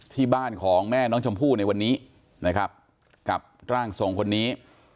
ที่บ้านของแม่น้องชมพู่ในวันนี้นะครับกับร่างทรงคนนี้